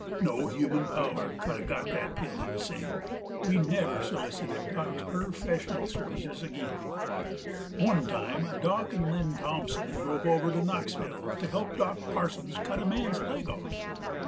No human power c'u'd ha' got that pill into Sam. We never solicited Dock's perfeshional services ag'in. One time Dock 'nd Lem Thompson drove over to Knoxville to help Dock Parsons cut a man's leg off.